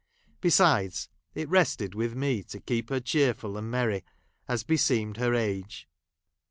Besides, it rested with me to keep her cheerful and mex'ry, as beseemed her age.